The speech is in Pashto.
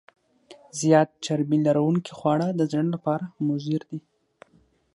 زیات چربي لرونکي خواړه د زړه لپاره مضر دي.